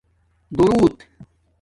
دُورݸت